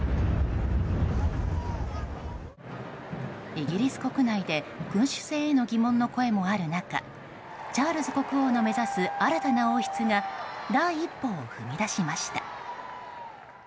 イギリス国内で君主制への疑問の声もある中チャールズ国王の目指す新たな王室が第一歩を踏み出しました。